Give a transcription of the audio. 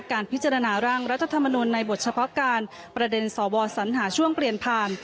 การพิจารณาร่างรัฐธรรมนุนในบทเฉพาะการประเด็นสวสัญหาช่วงเปลี่ยนผ่าน